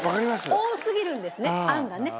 多すぎるんですねあんがね。